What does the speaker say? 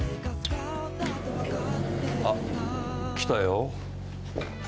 ・あっ来たよ。